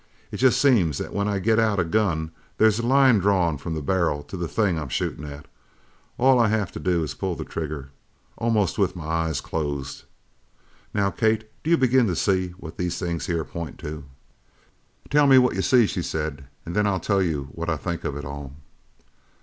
It jest seems that when I get out a gun there's a line drawn from the barrel to the thing I'm shootin' at. All I have to do is to pull the trigger almost with my eyes closed!' Now, Kate, do you begin to see what these here things point to?" "Tell me what you see," she said, "and then I'll tell you what I think of it all."